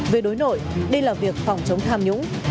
về đối nội đây là việc phòng chống tham nhũng